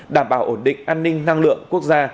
đảm bảo ổn định an ninh năng lượng quốc gia